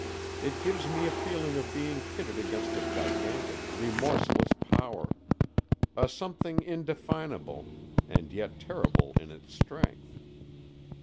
It gives me a feeling of being pitted against a gigantic, remorseless power—a something indefinable, and yet terrible in its strength.